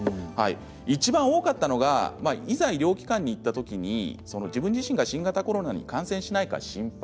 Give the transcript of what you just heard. いちばん多かったのがいざ医療機関に行ったときに自分自身が新型コロナに感染しないか心配。